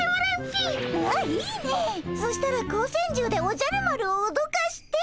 ああいいねそしたら光線銃でおじゃる丸をおどかして。